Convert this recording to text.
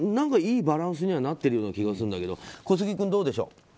いいバランスになっているような気がするんだけど小杉君はどうでしょう。